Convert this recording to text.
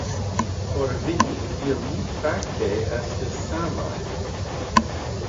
Por vi, ili fakte estas samaj.